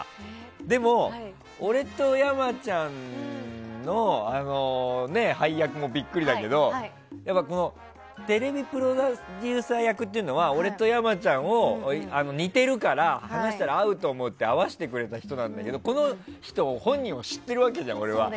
でも、俺と山ちゃんの配役もビックリだけどテレビプロデューサー役っていうのは俺と山ちゃんが似てるから話したら合うと思って会わせてくれた人なんだけどこの人、本人は知っているわけじゃん、俺は。